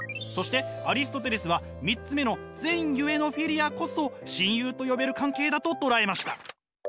そしてアリストテレスは３つ目の善ゆえのフィリアこそ親友と呼べる関係だと捉えました。